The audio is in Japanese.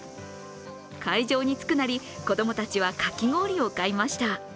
会場に着くなり、子供たちはかき氷を買いました。